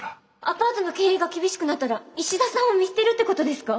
アパートの経営が厳しくなったら石田さんを見捨てるってことですか？